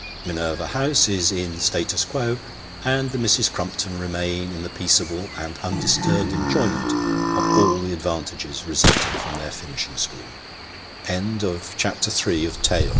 Minerva House is in siatu quo, and " The Misses Crumpton " remain in the peaceable and undisturbed enjoyment of all the advantages resulting from their Finishing School.